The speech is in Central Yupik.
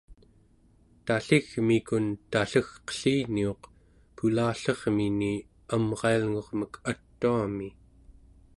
talligmikun tallegqelliniuq pulallermini amrailngurmek atuami